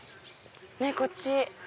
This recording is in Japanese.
ねっこっち。